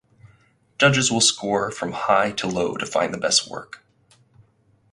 Judges will score from high to low to find the best work.